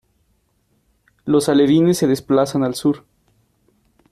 Los alevines se desplazan al sur.